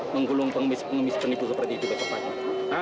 menggulung pengemis pengemis penipu seperti itu besok pagi